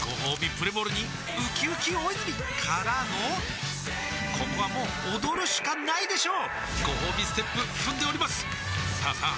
プレモルにうきうき大泉からのここはもう踊るしかないでしょうごほうびステップ踏んでおりますさあさあ